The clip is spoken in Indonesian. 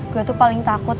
gue tuh paling takut